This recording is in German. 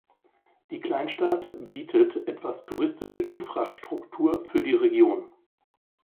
Die Kleinstadt bietet etwas touristische Infrastruktur für die Region.